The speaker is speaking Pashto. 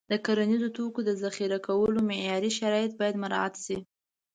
د کرنیزو توکو د ذخیره کولو معیاري شرایط باید مراعت شي.